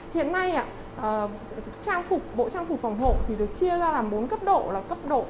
hiện nay bộ trang phục phòng hộ được chia ra bốn cấp độ